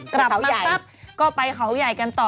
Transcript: กลับมาปั๊บก็ไปเขาใหญ่กันต่อ